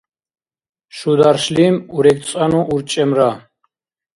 шударшлим урегцӀанну урчӀемра